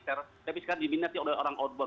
tapi sekarang diminati oleh orang outbound